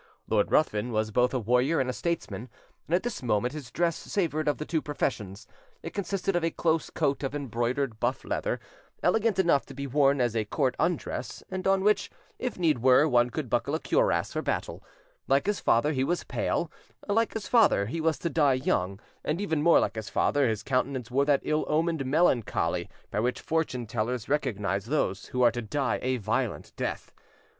Lord Ruthven was both a warrior and a statesman, and at this moment his dress savoured of the two professions: it consisted of a close coat of embroidered buff leather, elegant enough to be worn as a court undress, and on which, if need were, one could buckle a cuirass, for battle: like his father, he was pale; like his father, he was to die young, and, even more than his father, his countenance wore that ill omened melancholy by which fortune tellers recognise those who are to die a violent death.